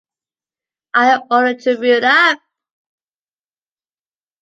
I ordered to root up ...!